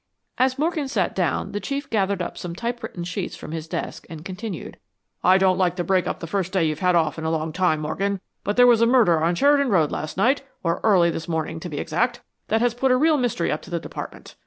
As Morgan sat down the Chief gathered up some typewritten sheets from his desk, and continued; "I didn't like to break up the first day you've had off in a long time, Morgan, but there was a murder on Sheridan Road last night or early, this morning, to be exact that has put a real mystery up to the Department.